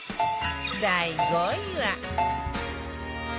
第５位は